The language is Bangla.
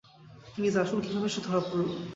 প্লিজ আসুন কিভাবে সে ধরা পড়ল?